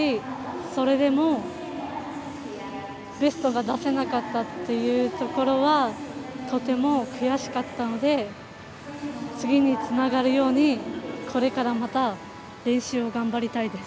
それでもベストが出せなかったというところはとても悔しかったので次につながるようにこれからまた練習を頑張りたいです。